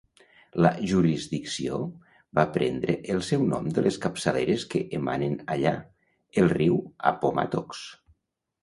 La jurisdicció va prendre el seu nom de les capçaleres que emanen allà, el riu Appomattox.